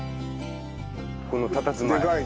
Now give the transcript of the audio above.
このたたずまい。